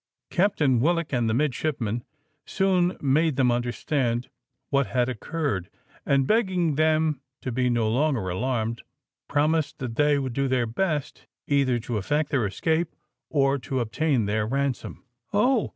Captain Willock and the midshipmen soon made them understand what had occurred, and begging them to be no longer alarmed, promised that they would do their best, either to effect their escape, or to obtain their ransom. "Oh!